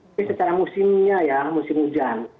tapi secara musimnya ya musim hujan